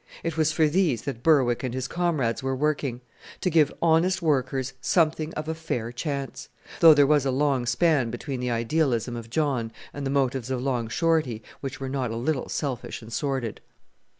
It was for these that Berwick and his comrades were working: to give honest workers something of a fair chance; though there was a long span between the idealism of John and the motives of Long Shorty, which were not a little selfish and sordid.